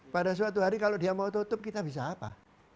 pada suatu hari kalau dia mau tutup kita bisa apa